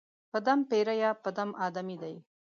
په دم پېریه، په دم آدمې دي